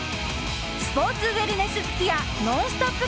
スポーツウエルネス吹矢「ノンストップ！」